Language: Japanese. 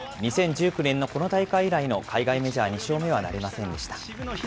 ２０１９年のこの大会以来の海外メジャー２勝目はなりませんでし